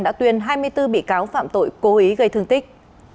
đã tuyên hai mươi bốn bị cáo phạm tội cố ý gây thương tích